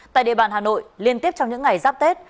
tại địa bàn hà nội liên tiếp trong những ngày giáp tết